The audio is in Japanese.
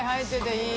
いい！